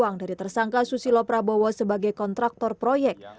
uang dari tersangka susilo prabowo sebagai kontraktor proyek